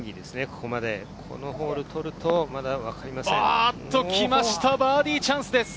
このホール取ると、まだ分かりませんん。来ました、バーディーチャンスです。